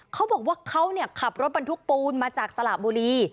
เขาบอกว่าเขาขับรถบรรทุกปูนมาจากสระบุรี